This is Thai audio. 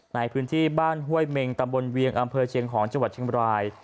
ในพื้นที่บ้านห้วยเมงตำบลเวียงอำเภอเชียงหอนจังหวัดเชียงบราย